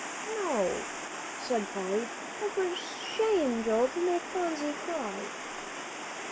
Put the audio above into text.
"No," said Polly. "Oh, for shame, Joel, to make Phronsie cry!"